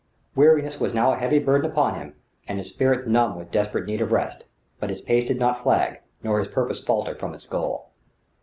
Weariness was now a heavy burden upon him, and his spirit numb with desperate need of rest; but his pace did not flag, nor his purpose falter from its goal.